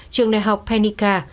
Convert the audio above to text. trường đại học pernika